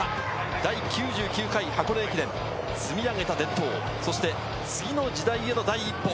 第９９回箱根駅伝、積み上げた伝統、そして次の時代への第一歩。